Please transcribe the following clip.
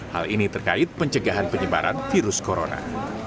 hal ini terkait pencegahan penyebaran virus corona